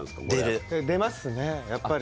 出ますねやっぱり。